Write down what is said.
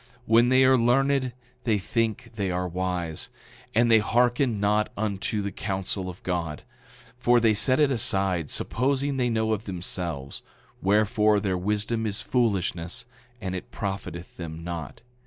When they are learned they think they are wise, and they hearken not unto the counsel of God, for they set it aside, supposing they know of themselves, wherefore, their wisdom is foolishness and it profiteth them not.